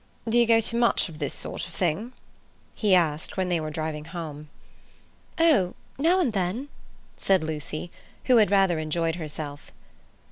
"Do you go to much of this sort of thing?" he asked when they were driving home. "Oh, now and then," said Lucy, who had rather enjoyed herself.